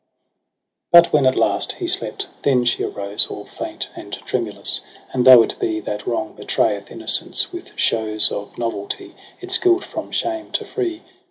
i6 But when at last he slept, then she arose. All faint and tremulous : and though it be That wrong betrayeth innocence with shews Of novelty, its guilt from shame to free.